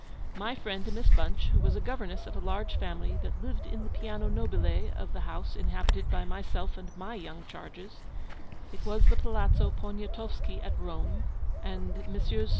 My friend Miss Bunch, who was governess of a large family that lived in the Piano Nobile of the house inhabited by myself and my young charges (it was the Palazzo Poniatowski at Rome, and Messrs.